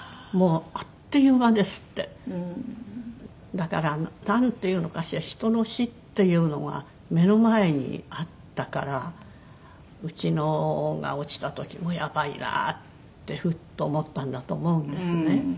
だからなんていうのかしら人の死っていうのは目の前にあったからうちのが落ちた時もやばいなってふっと思ったんだと思うんですね。